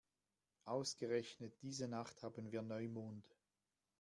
Ausgerechnet diese Nacht haben wir Neumond.